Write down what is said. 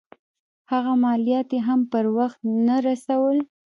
هغه مالیات یې هم پر وخت نه رسول.